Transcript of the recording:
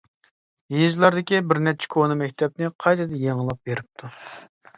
يېزىلاردىكى بىر نەچچە كونا مەكتەپنى قايتىدىن يېڭىلاپ بېرىپتۇ.